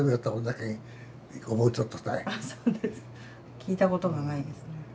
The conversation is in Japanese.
聞いたことがないですね。